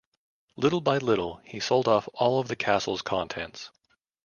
Little by little, he sold off all of the castle's contents.